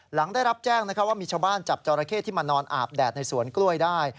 หลังได้รับแจ้งว่ามีชาวบ้านจับจอราเข้ที่มานอนอาบแดดในสวนกล้วยได้